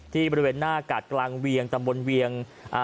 บริเวณหน้ากาดกลางเวียงตำบลเวียง